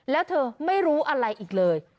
แล้วเธอไม่รู้อะไรอีกเลย